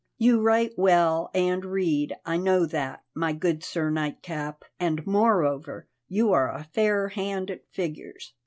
You write well and read, I know that, my good Sir Nightcap; and, moreover, you are a fair hand at figures.